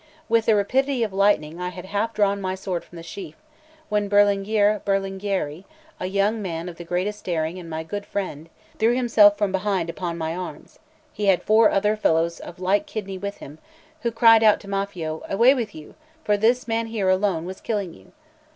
With the rapidity of lightning, I had half drawn my sword from the sheath, when Berlinghier Berlinghieri, a young man of the greatest daring and my good friend, threw himself from behind upon my arms; he had four other fellows of like kidney with him, who cried out to Maffio: "Away with you, for this man here alone was killing you!"